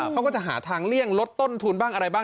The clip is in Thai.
เขาก็จะหาทางเลี่ยงลดต้นทุนบ้างอะไรบ้าง